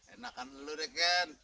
enakan lu deh kan